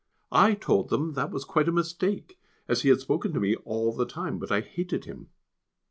I told them that was quite a mistake as he had spoken to me all the time, but I hated him.